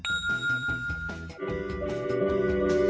เชิญติดตามรับชมพร้อมกันครับ